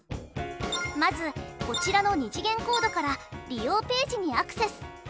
まずこちらの２次元コードから利用ページにアクセス。